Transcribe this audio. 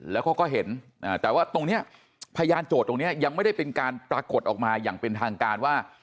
แล้วเขาก็เห็นแต่ว่าตรงนี้พยานโจทย์ตรงนี้ยังไม่ได้เป็นการปรากฏออกมาอย่างเป็นทางการว่า